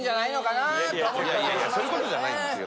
いやいやそういうことじゃないんですよ。